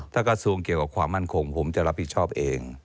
ถ้ากระทรวงเกี่ยวกับความมั่นคงผมจะรับผิดชอบเอง